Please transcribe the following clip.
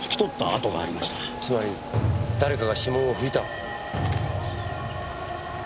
つまり誰かが指紋を拭いた？